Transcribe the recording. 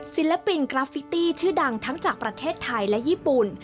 ศิลปินกราฟิตี้ชื่อดังทั้งจากประเทศไทยและญี่ปุ่น